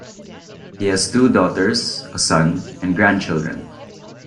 He has two daughters, a son, and grandchildren.